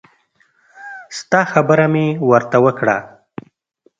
ستا خبره مې ورته وکړه.